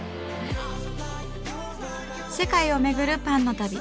世界をめぐるパンの旅。